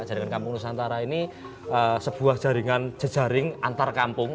jaringan kampung nusantara ini sebuah jaringan jejaring antar kampung